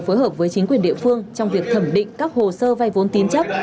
phối hợp với chính quyền địa phương trong việc thẩm định các hồ sơ vay vốn tín chấp